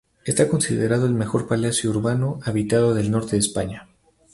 Está considerado el mejor palacio urbano habitado del norte de España.